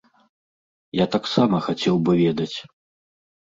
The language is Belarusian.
Я таксама хацеў бы ведаць.